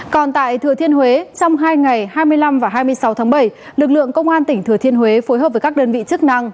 còn tại thừa thiên huế trong hai ngày hai mươi năm và hai mươi sáu tháng bảy lực lượng công an tỉnh thừa thiên huế phối hợp với các đơn vị chức năng